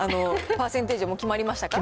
パーセンテージも決まりましたか？